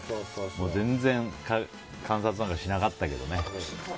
全然、観察なんかしなかったけどね。